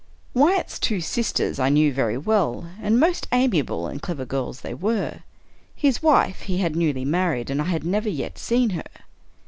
Wyatt's two sisters I knew very well, and most amiable and clever girls they were. His wife he had newly married, and I had never yet seen her.